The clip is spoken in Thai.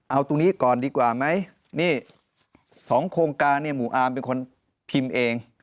เอาตรงนี้ก่อนดีกว่าไหมนี่๒โครงการเนี่ยหมู่อาร์มเป็นคนพิมพ์เอง